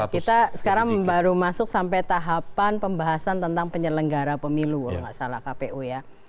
kita sekarang baru masuk sampai tahapan pembahasan tentang penyelenggara pemilu kalau nggak salah kpu ya